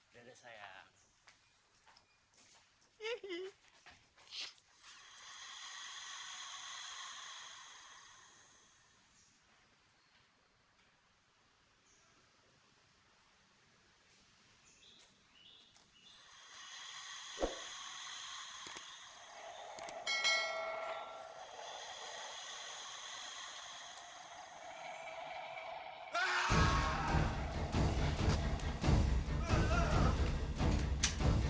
kita gak mau terus terusan di teror